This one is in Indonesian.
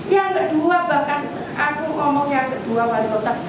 yang kedua bahkan aku ngomong yang kedua wali kota